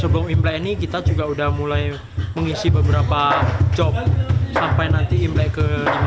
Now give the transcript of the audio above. sebelum imlek ini kita juga udah mulai mengisi beberapa job sampai nanti imlek ke lima belas